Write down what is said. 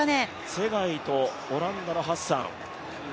ツェガイとオランダのハッサン。